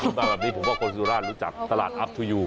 มาแบบนี้ผมว่าคนสุราชรู้จักตลาดอัพทูยู